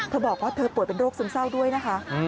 เธอบอกว่าเธอป่วยเป็นโรคซึมเศร้าด้วยนะคะ